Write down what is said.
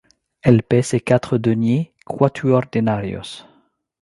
Elle paie ses quatre deniers ; quatuor denarios.